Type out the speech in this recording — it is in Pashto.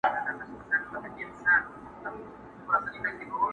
نن به یې ستره او سنګینه تنه؛